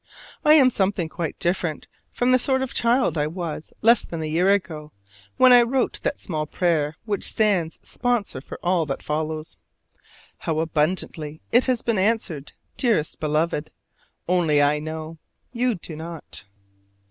I am something quite different from the sort of child I was less than a year ago when I wrote that small prayer which stands sponsor for all that follows. How abundantly it has been answered, dearest Beloved, only I know: you do not!